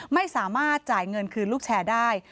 ไม่สามารถจ่ายเงินคืนลูกแชร์ได้